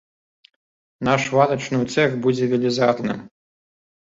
Наш варачную цэх будзе велізарным.